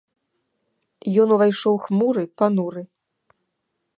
Ён увайшоў хмуры, пануры.